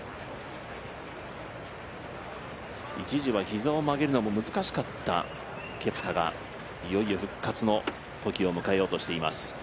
一時は膝を曲げるのも難しかったケプカが、いよいよ復活の時を迎えようとしています。